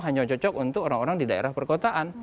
hanya cocok untuk orang orang di daerah perkotaan